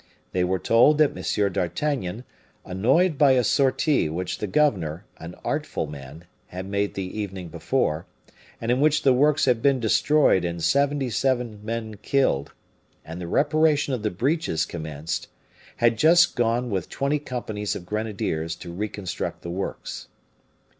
They were told that M. d'Artagnan, annoyed by a sortie which the governor, an artful man, had made the evening before, and in which the works had been destroyed and seventy seven men killed, and the reparation of the breaches commenced, had just gone with twenty companies of grenadiers to reconstruct the works.